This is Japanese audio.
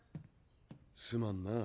すまんな。